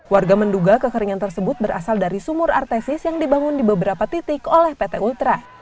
warga menduga kekeringan tersebut berasal dari sumur artesis yang dibangun di beberapa titik oleh pt ultra